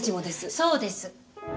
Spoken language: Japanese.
そうです。